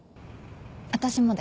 私もだよ。